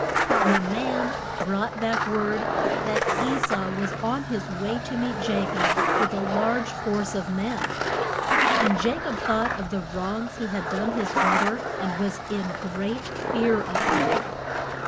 And the man brought back word that E sau was on his way to meet Ja cob with a large force of men. And Ja cob thought of the wrongs he had done his broth er, and was in great fear of him.